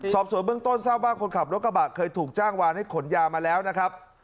สอบสวนเบื้องต้นทราบว่าคนขับรถกระบะเคยถูกจ้างวานให้ขนยามาแล้วนะครับ